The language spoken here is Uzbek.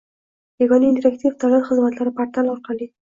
yagona interaktiv davlat xizmatlari portali orqali;